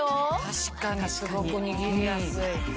確かにすごく握りやすい。